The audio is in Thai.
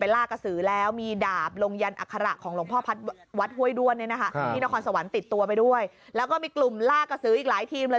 แล้วก็มีกลุ่มล่ากระสืออีกหลายทีมเลย